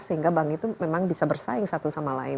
sehingga bank itu memang bisa bersaing satu sama lain